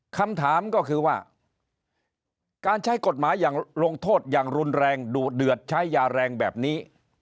คำถามก็คือว่าการใช้กฎหมายอย่างลงโทษอย่างรุนแรงดุเดือดใช้ยาแรงแบบนี้